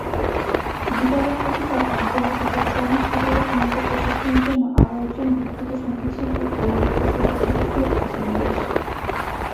গিটারের প্রতি তার আগ্রহ তাকে স্প্যানিশ গিটারের উন্নত প্রশিক্ষণের জন্য আরও একজন বিখ্যাত সংগীতশিল্পী গৌরী প্রসাদ বন্দ্যোপাধ্যায়ের কাছে নিয়ে আসে।